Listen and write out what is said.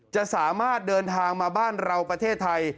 จะสามารถเดินทางมาบ้านเราประเทศไทย